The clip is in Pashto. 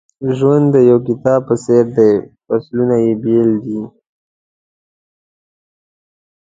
ژوند د یو کتاب په څېر دی فصلونه یې بېل دي.